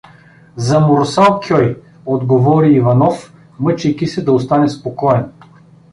— За Мурсал-кьой — отговори Иванов, мъчейки се да остане спокоен.